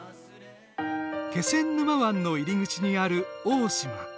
気仙沼湾の入口にある大島。